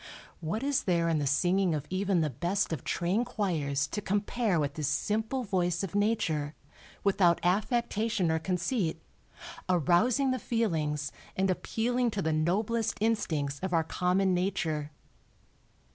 What is there in the singing of even the best of trained choirs to compare with this simple voice of Nature, without affectation or conceit, arousing the feelings and appealing to the noblest instincts of our common nature.